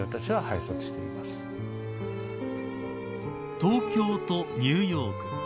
東京とニューヨーク。